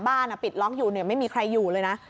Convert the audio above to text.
ปิดล็อกอยู่ไม่มีใครอยู่เลยนะ